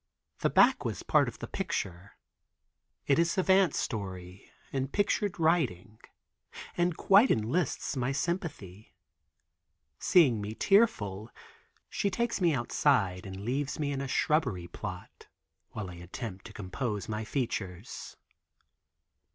The back was part of the picture. It is Savant's story in pictured writing and quite enlists my sympathy. Seeing me tearful she takes me outside and leaves me in a shrubbery plot, while I attempt to compose my features.